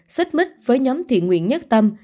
xích mít với nhóm thiện nguyện nhất tâm chậm trễ sao kê v v